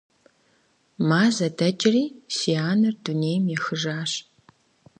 Мазэ дэкӏри, си анэр дунейм ехыжащ.